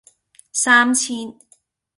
三千